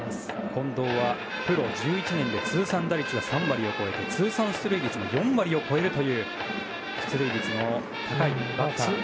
近藤はプロ１１年で通算打率が３割を超えて通算出塁率が４割を超える出塁率が高いバッター。